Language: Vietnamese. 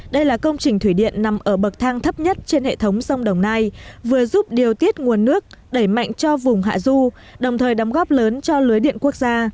đây là công trình thủy điện nằm ở bậc thang thấp nhất trên hệ thống sông đồng nai vừa giúp điều tiết nguồn nước đẩy mạnh cho vùng hạ du đồng thời đóng góp lớn cho lưới điện quốc gia